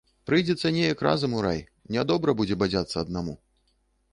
Прыйдзецца неяк разам у рай, нядобра будзе бадзяцца аднаму.